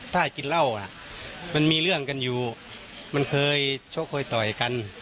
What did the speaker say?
ถ้ากินเหล้ามันมีเรื่องกันอยู่มันเคยชกเคยต่อยกัน